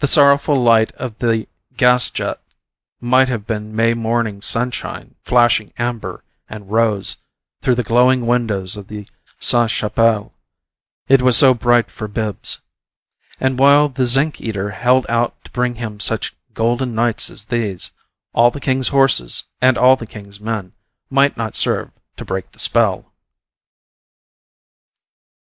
The sorrowful light of the gas jet might have been May morning sunshine flashing amber and rose through the glowing windows of the Sainte Chapelle, it was so bright for Bibbs. And while the zinc eater held out to bring him such golden nights as these, all the king's horses and all the king's men might not serve to break the spell.